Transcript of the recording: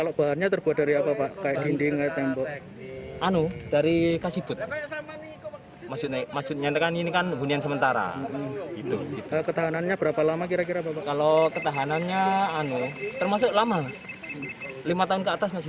lima tahun ke atas masih desain